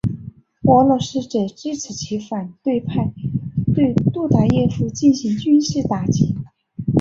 俄罗斯则支持其反对派对杜达耶夫进行军事打击。